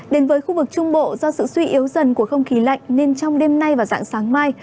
đến với khu vực trung bộ do sự suy yếu dần của không khí lạnh nên trong đêm nay và dạng sáng mai